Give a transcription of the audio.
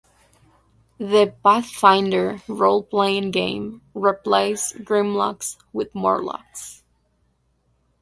The "Pathfinder Roleplaying Game" replaced Grimlocks with Morlocks.